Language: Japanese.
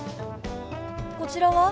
こちらは？